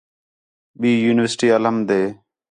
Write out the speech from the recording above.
ٻئی یونیورسٹی الحمد ہِے